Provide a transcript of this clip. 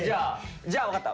じゃあ分かった。